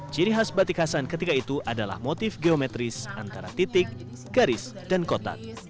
ciri khas batik hasan ketika itu adalah motif geometris antara titik garis dan kotak